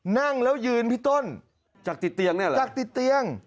นั่งแล้วยืนพี่ต้นจักรติดเตียงจักรติดเตียง